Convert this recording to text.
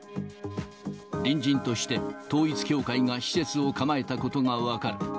隣人として統一教会が施設を構えたことが分かる。